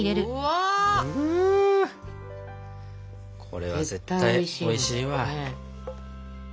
これは絶対おいしいわ。